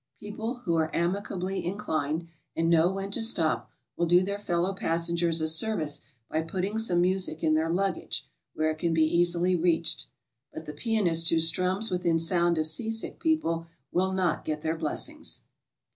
People who are amicably inclined and know when to stop will do their fellow passengers a service by putting some music in their luggage, where it can be easily reached. But the pianist who strums within sound of sea sick people will not get their blessings.